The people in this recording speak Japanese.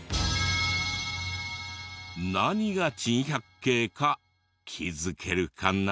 何が珍百景か気づけるかな？